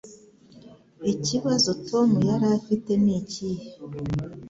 Ikibazo Tom yari afite nikihe